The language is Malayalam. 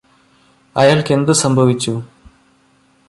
അയാള്ക്കെന്ത് സംഭവിച്ചു